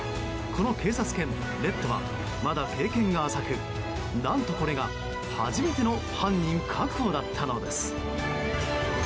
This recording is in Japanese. この警察犬レッドはまだ経験が浅く何とこれが初めての犯人確保だったのです。